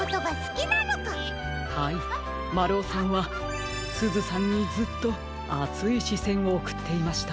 はいまるおさんはすずさんにずっとあついしせんをおくっていました。